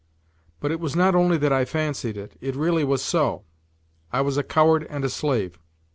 But it was not only that I fancied it, it really was so. I was a coward and a slave.